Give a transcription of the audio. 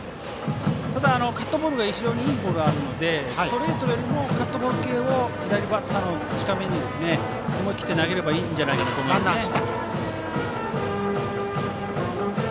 ただ、カットボールが非常にいいボールがあるのでストレートよりもカットボール系を左バッターの近めに思い切って投げればと思います。